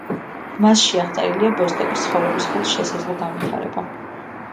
მასში აღწერილია ბოსტოკის ცხოვრების ხუთი შესაძლო განვითარება.